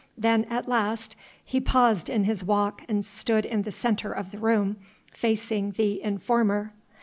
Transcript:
Then at last he paused in his walk and stood in the centre of the room facing the informer.